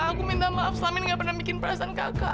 aku minta maaf selama ini gak pernah bikin perasaan kakak